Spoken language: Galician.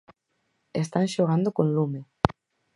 Están xogando con lume.